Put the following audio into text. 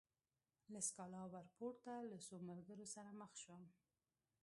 له سکالا ورپورته له څو ملګرو سره مخ شوم.